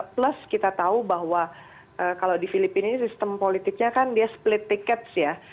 plus kita tahu bahwa kalau di filipina ini sistem politiknya kan dia split tickets ya